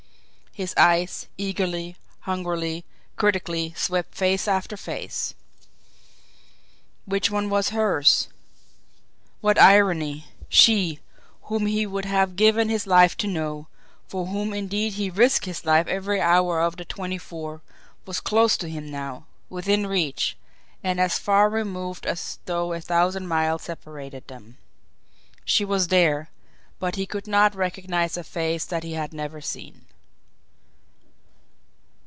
His eyes, eagerly, hungrily, critically, swept face after face. Which one was hers? What irony! She, whom he would have given his life to know, for whom indeed he risked his life every hour of the twenty four, was close to him now, within reach and as far removed as though a thousand miles separated them. She was there but he could not recognise a face that he had never seen!